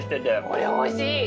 これおいしい！